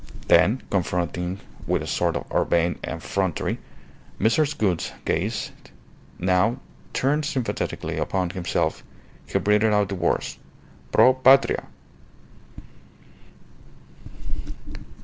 Then, confronting with a sort of urbane effrontery Mrs. Gould's gaze, now turned sympathetically upon himself, he breathed out the words, "_Pro Patria!